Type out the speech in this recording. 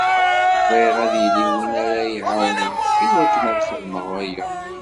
Bɣiɣ ad yili win ara yi-iɛawnen i wakken ad xedmeɣ aya.